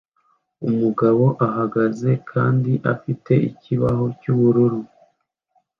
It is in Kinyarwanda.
Umugabo uhagaze kandi afite ikibaho cyubururu